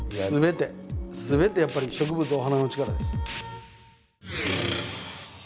すべてやっぱり植物お花の力です。